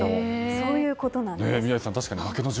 そういうことなんです。